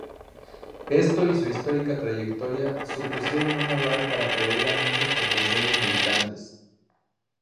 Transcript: Esto y su histórica trayectoria supusieron un aval para atraer a muchos potenciales militantes.